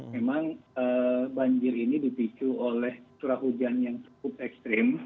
memang banjir ini dipicu oleh curah hujan yang cukup ekstrim